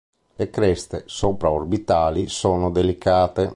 Le creste sopra-orbitali sono delicate.